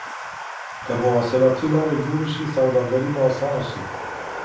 که مواصلاتي لاري جوړي سي سوداګري به اسانه سي.